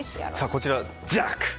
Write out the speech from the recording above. こちら、ジャック！